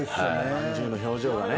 まんじゅうの表情がね。